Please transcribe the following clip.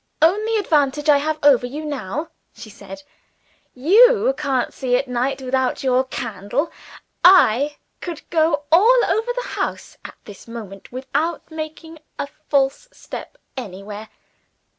"Own the advantage I have over you now," she said. "You can't see at night without your candle. I could go all over the house, at this moment, without making a false step anywhere."